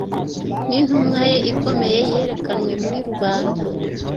Nintumwa ye ikomeye, yerekanwe muri rubanda